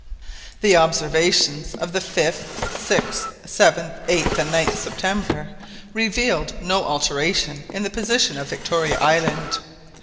The observations of the 5th, 6th, 7th, 8th, and 9th September, revealed no alteration in the position of Victoria Island.